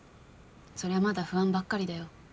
そりゃまだ不安ばっかりだよ。